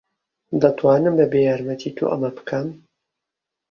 دەتوانم بەبێ یارمەتیی تۆ ئەمە بکەم.